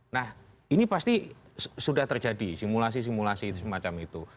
nah ini pasti sudah terjadi simulasi simulasi semacam itu